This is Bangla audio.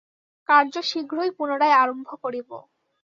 কার্য শীঘ্রই পুনরায় আরম্ভ করিব।